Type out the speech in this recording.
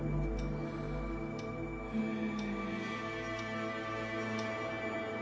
うん。